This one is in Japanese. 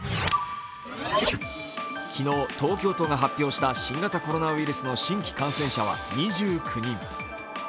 昨日、東京都が発表した新型コロナウイルスの新規感染者は２９人。